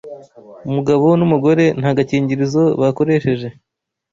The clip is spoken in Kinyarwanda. umugabo n’umugore nta gakingirizo bakoresheje